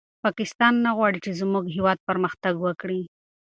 پاکستان نه غواړي چې زموږ هېواد پرمختګ وکړي.